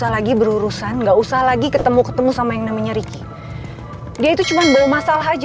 lagi berurusan gak usah lagi ketemu ketemu sama yang namanya ricky dia itu cuman belum masalah aja